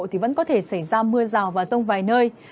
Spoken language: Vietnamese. thì vẫn có thể xảy ra mưa rào và rông vài nơi